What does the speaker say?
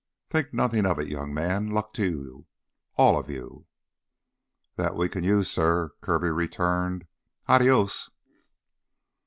"Think nothing of it, young man. Luck to you all of you." "That we can use, suh," Kirby returned. "Adios...."